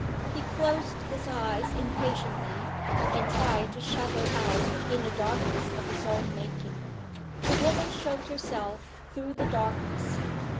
He closed his eyes impatiently, and tried to shut her out in a darkness of his own making. The woman showed herself through the darkness.